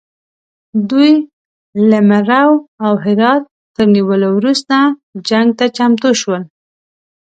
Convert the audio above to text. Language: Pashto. دوی له مرو او هرات تر نیولو وروسته جنګ ته چمتو شول.